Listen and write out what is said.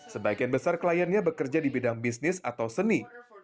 sebagian besar kliennya bekerja di bidang bisnis atau seni